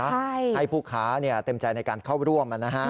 ใช่ให้ผู้ค้าเต็มใจในการเข้าร่วมนะฮะ